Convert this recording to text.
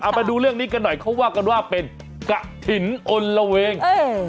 มาดูเรื่องนี้กันหน่อยเขาว่ากันว่าเป็นกระถิ่นอลละเวงเออ